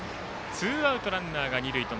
ツーアウト、ランナーが二塁。